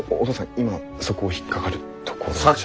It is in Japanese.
今そこ引っ掛かるところじゃ。